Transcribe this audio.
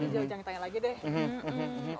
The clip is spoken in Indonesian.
jangan ditanya lagi deh